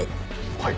はい。